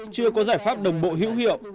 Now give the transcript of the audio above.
chưa có giải pháp đồng bộ hữu hiệu